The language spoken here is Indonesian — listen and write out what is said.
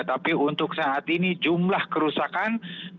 tapi untuk saat ini jumlah kerusakan